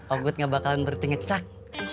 agut nggak bakalan berhenti ngecak